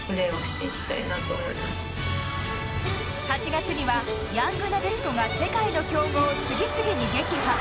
８月にはヤングなでしこが世界の強豪を次々に撃破。